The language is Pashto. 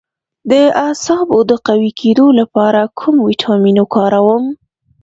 د اعصابو د قوي کیدو لپاره کوم ویټامین وکاروم؟